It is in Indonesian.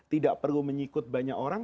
tidak perlu mengikut banyak orang